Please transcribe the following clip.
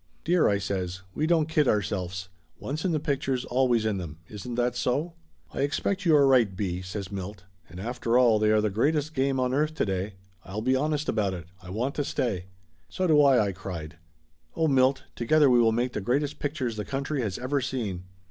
"Dear!" I says. "We won't kid ourselfs. Once in the pictures, always in them. Isn't that so?" "I expect you are right, B.," says Milt. "And after all they are the greatest game on earth to day. I'll be honest about it. I want to stay!" "So do I !" I cried. "Oh, Milt, together we will make the greatest pictures the country has ever seen."